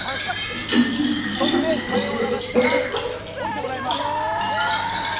そして、鐘を鳴らしたら降りてもらいます。